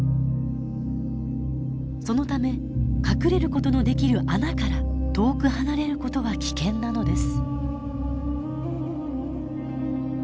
そのため隠れることのできる穴から遠く離れることは危険なのです。